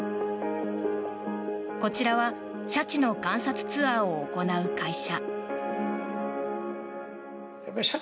こちらはシャチの観察ツアーを行う会社。